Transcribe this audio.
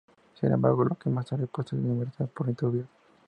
Sin embargo, lo que más tarde puesto en libertad por Iturbide.